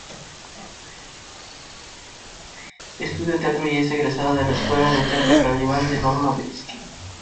Estudio teatro y es egresada de la Escuela teatro Calibán de Norman Briski.